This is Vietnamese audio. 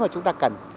mà chúng ta cần